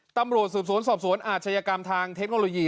ตำรวจสืบสวนสอบสวนอาชญากรรมทางเทคโนโลยี